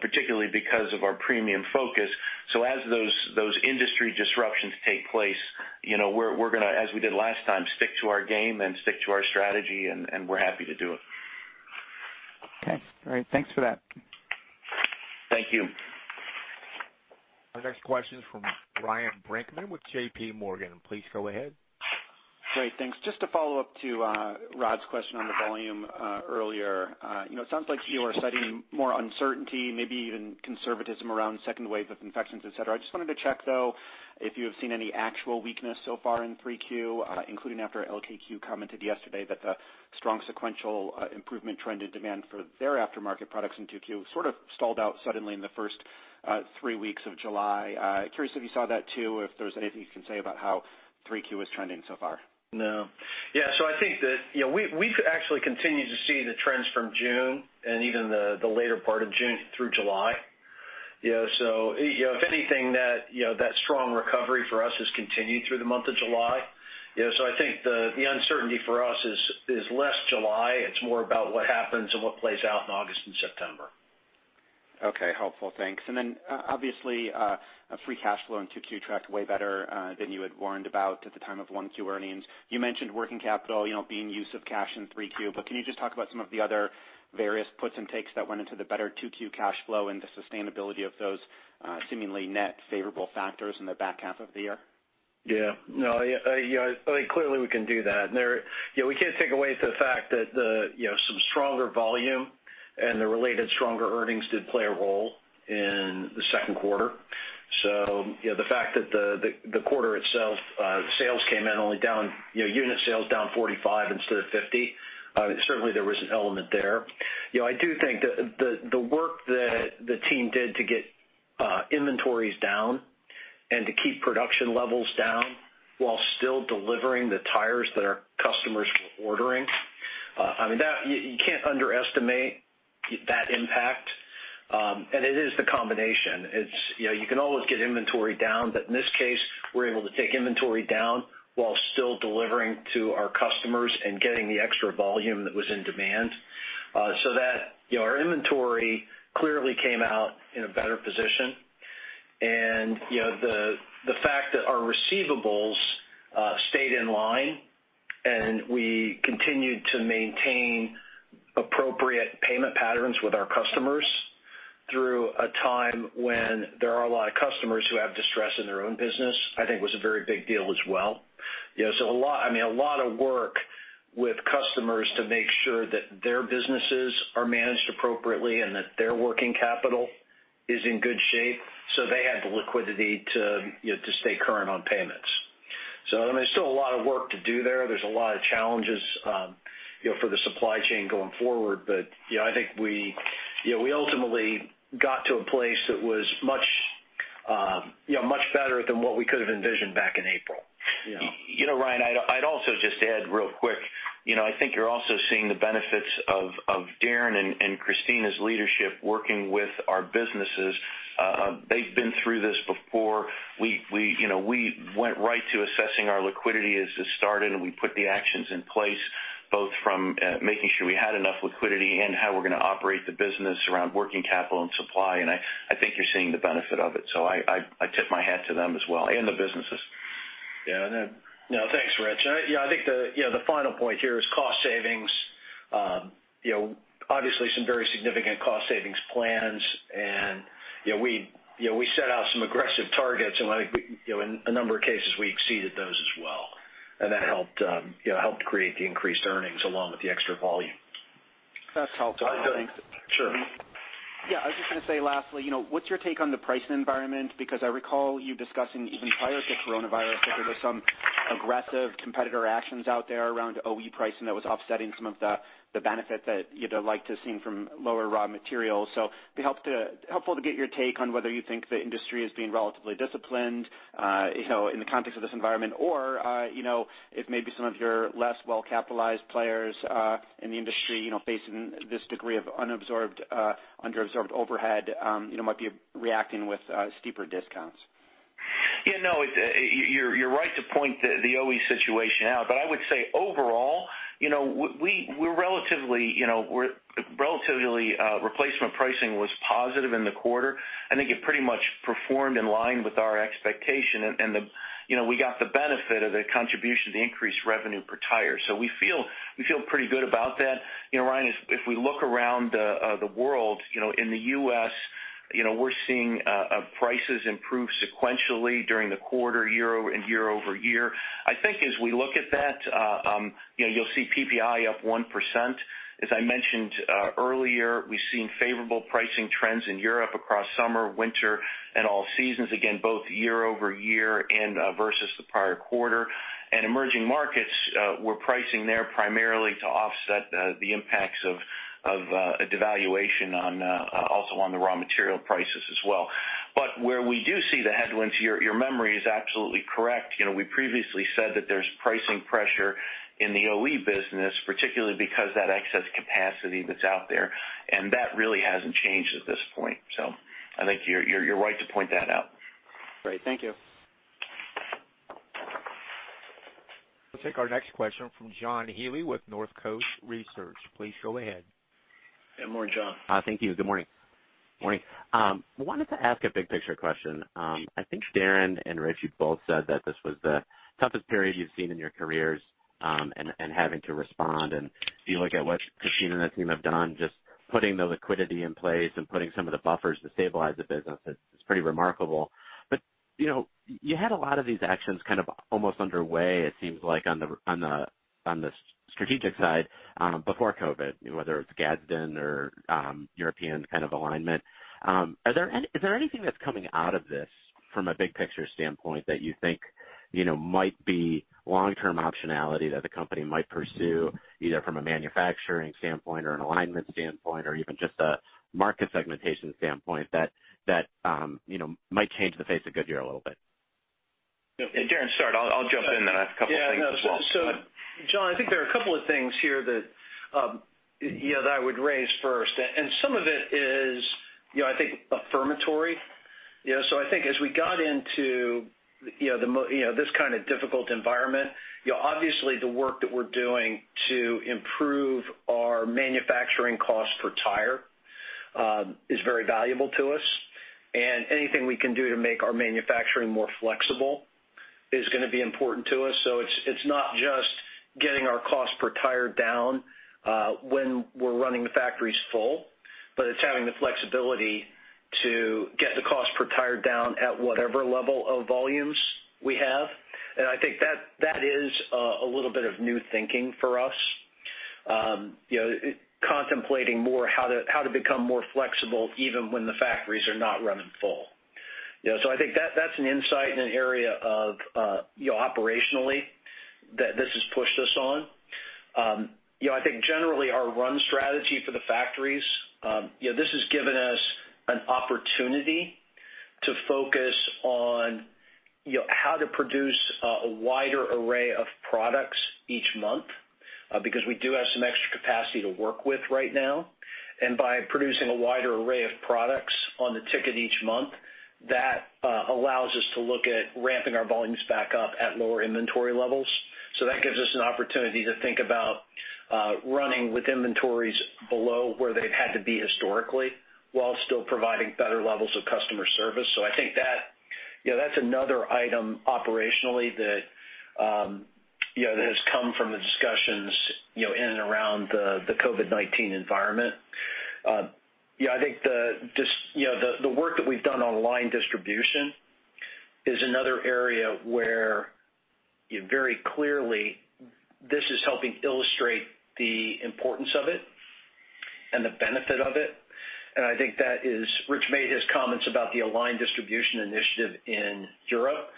particularly because of our premium focus. So as those industry disruptions take place, we're going to, as we did last time, stick to our game and stick to our strategy, and we're happy to do it. Okay. All right. Thanks for that. Thank you. Our next question is from Ryan Brinkman with JPMorgan. Please go ahead. Great. Thanks. Just to follow up to Rod's question on the volume earlier, it sounds like you are citing more uncertainty, maybe even conservatism around second wave of infections, etc. I just wanted to check, though, if you have seen any actual weakness so far in 3Q, including after LKQ commented yesterday that the strong sequential improvement trend in demand for their aftermarket products in 2Q sort of stalled out suddenly in the first 3 weeks of July. Curious if you saw that too, if there's anything you can say about how 3Q is trending so far. No. Yeah. So I think that we've actually continued to see the trends from June and even the later part of June through July. So if anything, that strong recovery for us has continued through the month of July. So I think the uncertainty for us is less July. It's more about what happens and what plays out in August and September. Okay. Helpful. Thanks. And then obviously, free cash flow in 2Q tracked way better than you had warned about at the time of 1Q earnings. You mentioned working capital being a use of cash in 3Q, but can you just talk about some of the other various puts and takes that went into the better 2Q cash flow and the sustainability of those seemingly net favorable factors in the back half of the year? Yeah. No, clearly we can do that. We can't take away the fact that some stronger volume and the related stronger earnings did play a role in the second quarter. So the fact that the quarter itself, sales came in only down unit sales down 45 instead of 50, certainly there was an element there. I do think that the work that the team did to get inventories down and to keep production levels down while still delivering the tires that our customers were ordering. I mean, you can't underestimate that impact. And it is the combination. You can always get inventory down, but in this case, we're able to take inventory down while still delivering to our customers and getting the extra volume that was in demand. So that our inventory clearly came out in a better position. The fact that our receivables stayed in line and we continued to maintain appropriate payment patterns with our customers through a time when there are a lot of customers who have distress in their own business, I think was a very big deal as well. So I mean, a lot of work with customers to make sure that their businesses are managed appropriately and that their working capital is in good shape. So they had the liquidity to stay current on payments. So I mean, there's still a lot of work to do there. There's a lot of challenges for the supply chain going forward, but I think we ultimately got to a place that was much better than what we could have envisioned back in April. Yeah. Ryan, I'd also just add real quick. I think you're also seeing the benefits of Darren and Christina's leadership working with our businesses. They've been through this before. We went right to assessing our liquidity as it started, and we put the actions in place, both from making sure we had enough liquidity and how we're going to operate the business around working capital and supply. And I think you're seeing the benefit of it. So I tip my hat to them as well and the businesses. Yeah. No, thanks, Rich. Yeah. I think the final point here is cost savings. Obviously, some very significant cost savings plans. And we set out some aggressive targets, and in a number of cases, we exceeded those as well. And that helped create the increased earnings along with the extra volume. That's helpful. Sure. Yeah. I was just going to say lastly, what's your take on the pricing environment? Because I recall you discussing even prior to Coronavirus that there were some aggressive competitor actions out there around OE pricing that was offsetting some of the benefit that you'd like to see from lower raw materials. So it'd be helpful to get your take on whether you think the industry is being relatively disciplined in the context of this environment, or if maybe some of your less well-capitalized players in the industry facing this degree of underabsorbed overhead might be reacting with steeper discounts. Yeah. No, you're right to point the OE situation out, but I would say overall, we're relatively replacement pricing was positive in the quarter. I think it pretty much performed in line with our expectation. And we got the benefit of the contribution to increased revenue per tire, so we feel pretty good about that. Ryan, if we look around the world, in the U.S., we're seeing prices improve sequentially during the quarter, year over year. I think as we look at that, you'll see PPI up 1%. As I mentioned earlier, we've seen favorable pricing trends in Europe across summer, winter, and all seasons, again, both year over year versus the prior quarter, and emerging markets, we're pricing there primarily to offset the impacts of devaluation also on the raw material prices as well, but where we do see the headwinds, your memory is absolutely correct. We previously said that there's pricing pressure in the OE business, particularly because that excess capacity that's out there, and that really hasn't changed at this point, so I think you're right to point that out. Great. Thank you. We'll take our next question from John Healy with Northcoast Research. Please go ahead. Good morning, John. Thank you. Good morning. Good morning. I wanted to ask a big picture question. I think Darren and Rich, you both said that this was the toughest period you've seen in your careers and having to respond. And if you look at what Christina and the team have done, just putting the liquidity in place and putting some of the buffers to stabilize the business, it's pretty remarkable. But you had a lot of these actions kind of almost underway, it seems like, on the strategic side before COVID, whether it's Gadsden or European kind of alignment. Is there anything that's coming out of this from a big picture standpoint that you think might be long-term optionality that the company might pursue either from a manufacturing standpoint or an alignment standpoint or even just a market segmentation standpoint that might change the face of Goodyear a little bit? And, Darren, start. I'll jump in. I have a couple of things as well. Yeah. So, John, I think there are a couple of things here that I would raise first. And some of it is, I think, affirmatory. So I think as we got into this kind of difficult environment, obviously, the work that we're doing to improve our manufacturing cost per tire is very valuable to us. And anything we can do to make our manufacturing more flexible is going to be important to us. So it's not just getting our cost per tire down when we're running the factories full, but it's having the flexibility to get the cost per tire down at whatever level of volumes we have. And I think that is a little bit of new thinking for us, contemplating more how to become more flexible even when the factories are not running full. So I think that's an insight in an area of operationally that this has pushed us on. I think generally, our run strategy for the factories, this has given us an opportunity to focus on how to produce a wider array of products each month because we do have some extra capacity to work with right now. And by producing a wider array of products on the ticket each month, that allows us to look at ramping our volumes back up at lower inventory levels. So that gives us an opportunity to think about running with inventories below where they've had to be historically while still providing better levels of customer service. So I think that's another item operationally that has come from the discussions in and around the COVID-19 environment. I think the work that we've done on aligned Distribution is another area where very clearly this is helping illustrate the importance of it and the benefit of it. And I think that, as Rich made his comments about the aligned distribution initiative in Europe.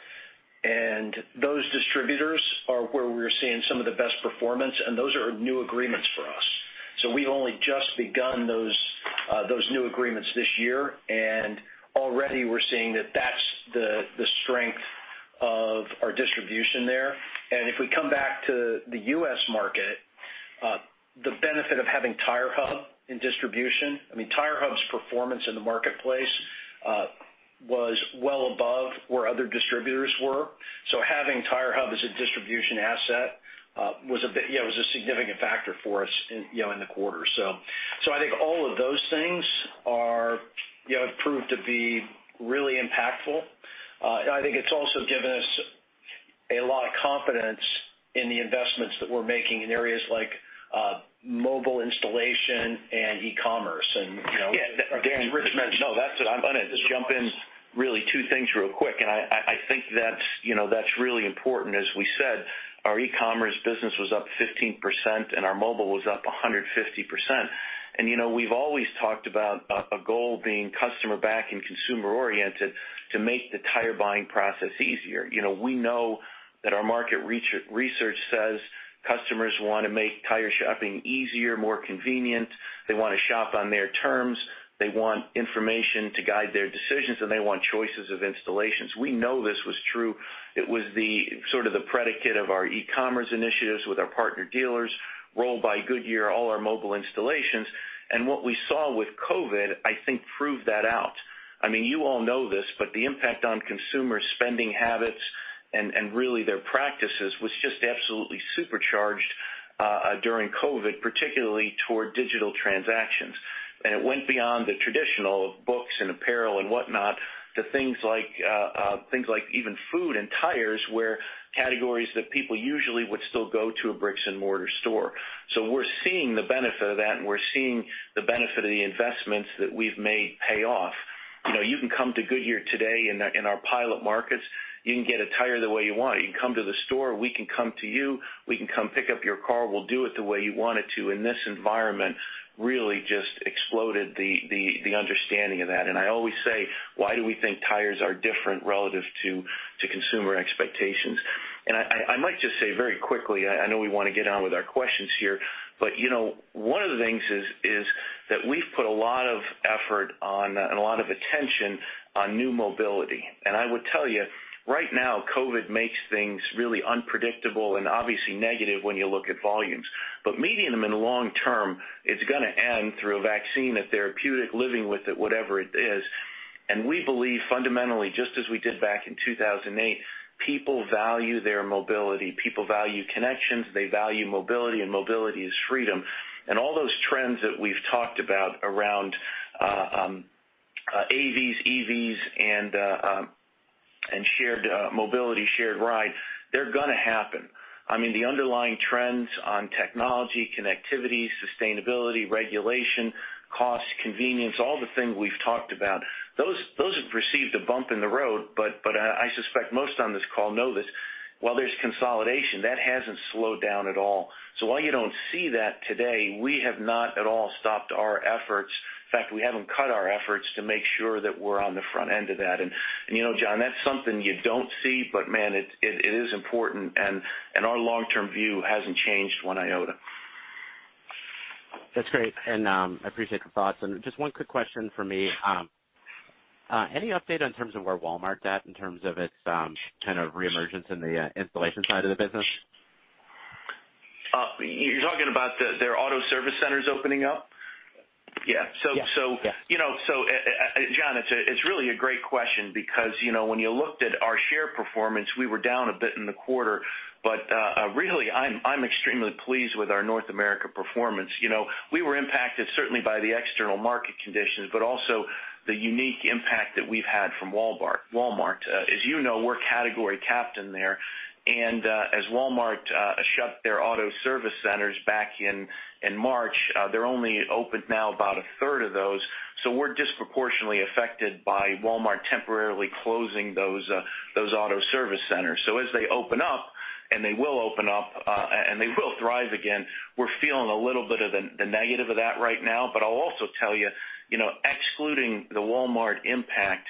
And those distributors are where we're seeing some of the best performance, and those are new agreements for us. So we've only just begun those new agreements this year. And already, we're seeing that that's the strength of our distribution there. And if we come back to the U.S. market, the benefit of having TireHub in distribution, I mean, TireHub's performance in the marketplace was well above where other distributors were. So having TireHub as a distribution asset was a significant factor for us in the quarter. So I think all of those things have proved to be really impactful. I think it's also given us a lot of confidence in the investments that we're making in areas like mobile installation and e-commerce. Yeah. Rich mentioned. No, that's it. I'm going to just jump in really 2 things real quick. And I think that's really important. As we said, our e-commerce business was up 15%, and our mobile was up 150%. And we've always talked about a goal being customer-backed and consumer-oriented to make the tire buying process easier. We know that our market research says customers want to make tire shopping easier, more convenient. They want to shop on their terms. They want information to guide their decisions, and they want choices of installations. We know this was true. It was sort of the predicate of our e-commerce initiatives with our partner dealers, Roll by Goodyear, all our mobile installations. And what we saw with COVID, I think, proved that out. I mean, you all know this, but the impact on consumer spending habits and really their practices was just absolutely supercharged during COVID, particularly toward digital transactions. And it went beyond the traditional books and apparel and whatnot to things like even food and tires were categories that people usually would still go to a brick-and-mortar store. So we're seeing the benefit of that, and we're seeing the benefit of the investments that we've made pay off. You can come to Goodyear today in our pilot markets. You can get a tire the way you want. You can come to the store. We can come to you. We can come pick up your car. We'll do it the way you want it to. In this environment, really just exploded the understanding of that. And I always say, why do we think tires are different relative to consumer expectations? And I might just say very quickly. I know we want to get on with our questions here, but one of the things is that we've put a lot of effort and a lot of attention on new mobility. And I would tell you, right now, COVID makes things really unpredictable and obviously negative when you look at volumes. But meeting them in the long term, it's going to end through a vaccine, a therapeutic, living with it, whatever it is. And we believe fundamentally, just as we did back in 2008, people value their mobility. People value connections. They value mobility, and mobility is freedom. And all those trends that we've talked about around AVs, EVs, and shared mobility, shared ride, they're going to happen. I mean, the underlying trends on technology, connectivity, sustainability, regulation, cost, convenience, all the things we've talked about, those have received a bump in the road. But I suspect most on this call know this. While there's consolidation, that hasn't slowed down at all. So while you don't see that today, we have not at all stopped our efforts. In fact, we haven't cut our efforts to make sure that we're on the front end of that. And John, that's something you don't see, but man, it is important. And our long-term view hasn't changed one iota. That's great. And I appreciate the thoughts. And just one quick question for me. Any update in terms of where Walmart's at in terms of its kind of re-emergence in the installation side of the business? You're talking about their auto service centers opening up? Yeah. So, John, it's really a great question because when you looked at our share performance, we were down a bit in the quarter. But really, I'm extremely pleased with our North America performance. We were impacted certainly by the external market conditions, but also the unique impact that we've had from Walmart. As you know, we're category captain there. And as Walmart shut their auto service centers back in March, they're only open now about a third of those. So we're disproportionately affected by Walmart temporarily closing those auto service centers. So as they open up, and they will open up, and they will thrive again, we're feeling a little bit of the negative of that right now. But I'll also tell you, excluding the Walmart impact,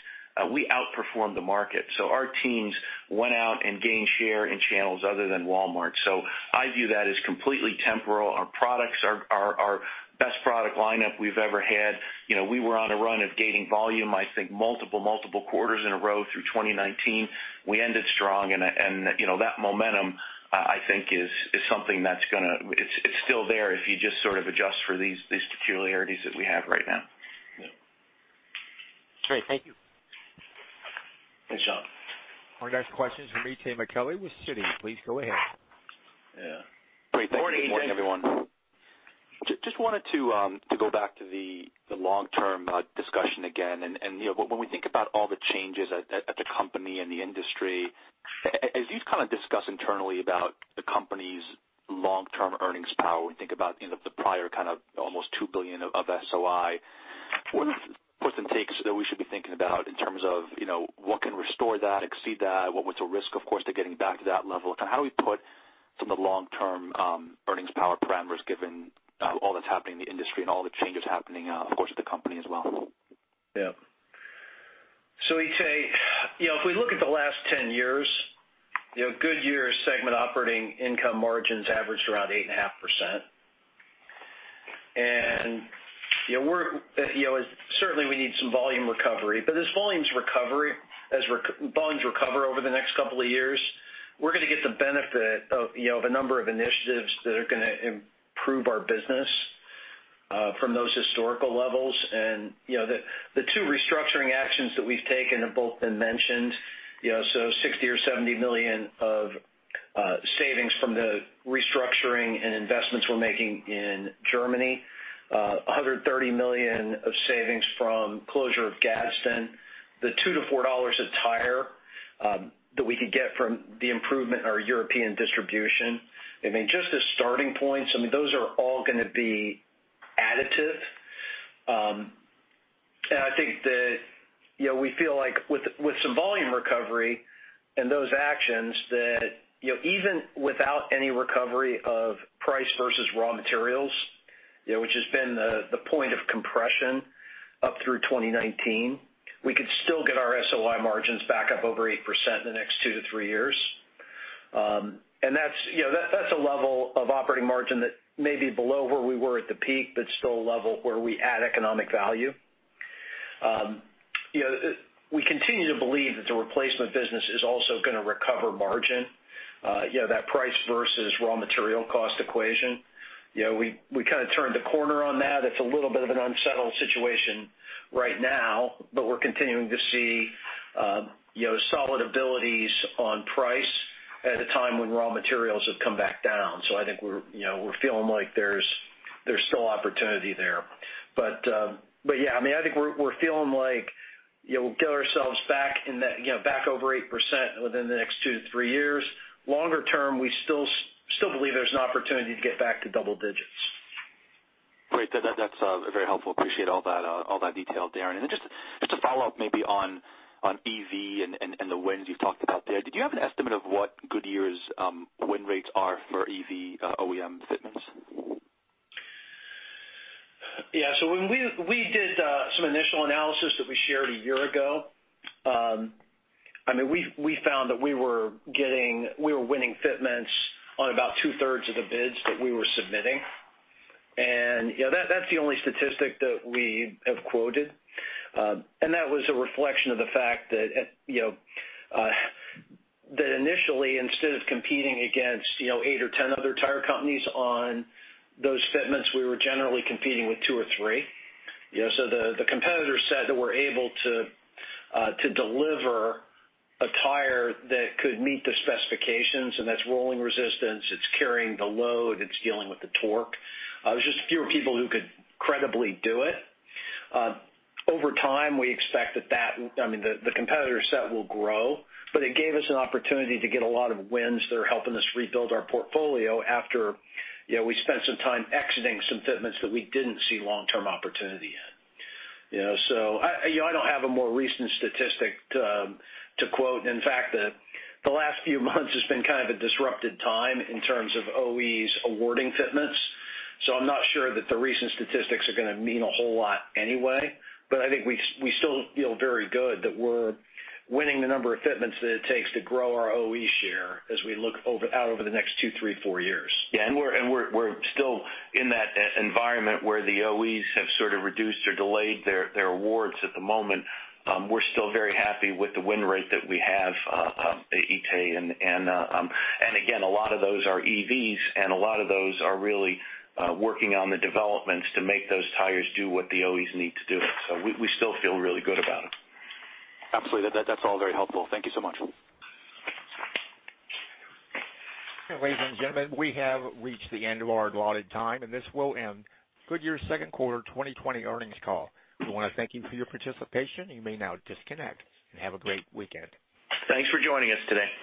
we outperformed the market. So our teams went out and gained share in channels other than Walmart. So I view that as completely temporal. Our products, our best product lineup we've ever had, we were on a run of gaining volume, I think, multiple, multiple quarters in a row through 2019. We ended strong. And that momentum, I think, is something that's going to, it's still there if you just sort of adjust for these peculiarities that we have right now. Great. Thank you. Thanks, John. Our next question is from Itay Michaeli with Citi. Please go ahead. Yeah. Great. Thank you. Good morning, everyone. Just wanted to go back to the long-term discussion again. When we think about all the changes at the company and the industry, as you've kind of discussed internally about the company's long-term earnings power, we think about the prior kind of almost $2 billion of SOI. What are the pros and cons that we should be thinking about in terms of what can restore that, exceed that? What's a risk, of course, to getting back to that level? How do we put some of the long-term earnings power parameters given all that's happening in the industry and all the changes happening, of course, at the company as well? Yeah. So Itay, if we look at the last 10 years, Goodyear's segment operating income margins averaged around 8.5%. And certainly, we need some volume recovery. But as volumes recover over the next couple of years, we're going to get the benefit of a number of initiatives that are going to improve our business from those historical levels. And the 2 restructuring actions that we've taken have both been mentioned. So $60-$70 million of savings from the restructuring and investments we're making in Germany, $130 million of savings from closure of Gadsden, the $2-$4 a tire that we could get from the improvement in our European distribution. I mean, just as starting points, I mean, those are all going to be additive. I think that we feel like with some volume recovery and those actions that even without any recovery of price versus raw materials, which has been the point of compression up through 2019, we could still get our SOI margins back up over 8% in the next 2 to 3 years. That's a level of operating margin that may be below where we were at the peak, but still a level where we add economic value. We continue to believe that the replacement business is also going to recover margin, that price versus raw material cost equation. We kind of turned the corner on that. It's a little bit of an unsettled situation right now, but we're continuing to see solid abilities on price at a time when raw materials have come back down. I think we're feeling like there's still opportunity there. But yeah, I mean, I think we're feeling like we'll get ourselves back over 8% within the next 2 to 3 years. Longer term, we still believe there's an opportunity to get back to double digits. Great. That's very helpful. Appreciate all that detail, Darren. And just to follow up maybe on EV and the wins you've talked about there, did you have an estimate of what Goodyear's win rates are for EV OEM fitments? Yeah. So when we did some initial analysis that we shared a year ago, I mean, we found that we were winning fitments on about two-thirds of the bids that we were submitting. And that's the only statistic that we have quoted. And that was a reflection of the fact that initially, instead of competing against 8 or 10 other tire companies on those fitments, we were generally competing with 2 or 3. So the competitors said that we're able to deliver a tire that could meet the specifications. And that's rolling resistance. It's carrying the load. It's dealing with the torque. It was just fewer people who could credibly do it. Over time, we expect that that, I mean, the competitor set will grow. But it gave us an opportunity to get a lot of wins that are helping us rebuild our portfolio after we spent some time exiting some fitments that we didn't see long-term opportunity in. So I don't have a more recent statistic to quote. In fact, the last few months has been kind of a disrupted time in terms of OEs awarding fitments. So I'm not sure that the recent statistics are going to mean a whole lot anyway. But I think we still feel very good that we're winning the number of fitments that it takes to grow our OE share as we look out over the next 2, 3, 4 years. Yeah. And we're still in that environment where the OEs have sort of reduced or delayed their awards at the moment. We're still very happy with the win rate that we have, Itay. And again, a lot of those are EVs, and a lot of those are really working on the developments to make those tires do what the OEs need to do. So we still feel really good about it. Absolutely. That's all very helpful. Thank you so much. Ladies and gentlemen, we have reached the end of our allotted time, and this will end Goodyear's second quarter 2020 earnings call. We want to thank you for your participation. You may now disconnect and have a great weekend. Thanks for joining us today.